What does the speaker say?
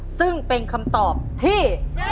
ซึ่งเป็นคำตอบที่